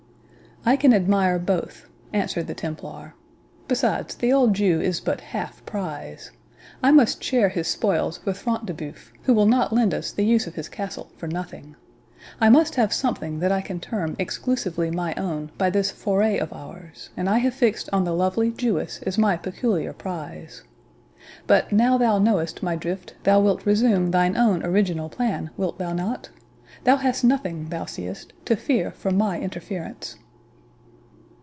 "I can admire both," answered the Templar; "besides, the old Jew is but half prize. I must share his spoils with Front de Bœuf, who will not lend us the use of his castle for nothing. I must have something that I can term exclusively my own by this foray of ours, and I have fixed on the lovely Jewess as my peculiar prize. But, now thou knowest my drift, thou wilt resume thine own original plan, wilt thou not?—Thou hast nothing, thou seest, to fear from my interference."